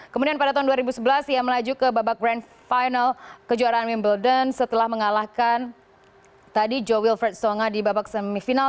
kemudian pada tahun dua ribu sebelas ia melaju ke babak grand final kejuaraan wimbledon setelah mengalahkan tadi joe wilfred songa di babak semifinal